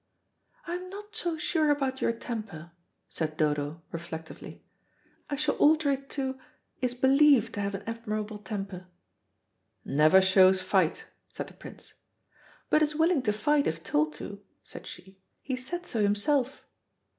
"I'm not so sure about your temper," said Dodo, reflectively: "I shall alter it to 'is believed to have an admirable temper.'" "Never shows fight," said the Prince. "But is willing to fight if told to," said she. "He said so himself."